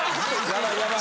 やばいやばい。